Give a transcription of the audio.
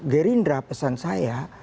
gerindra pesan saya